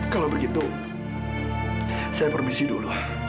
kalau begitu saya permisi dulu